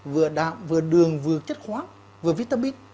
vừa đạm vừa đường vừa chất khoác vừa vitamin